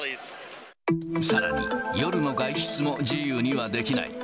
さらに、夜の外出も自由にはできない。